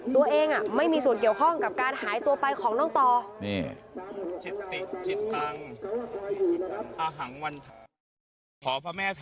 ตัวเองไม่มีส่วนเกี่ยวข้องกับการหายตัวไปของน้องต่อ